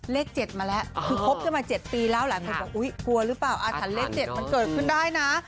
เลข๗มาแล้วคือพบกันมา๗ปีแล้วอาถารย์เลข๗มันเกิดขึ้นได้นะ